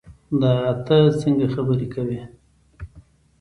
دا تۀ څنګه خبرې کوې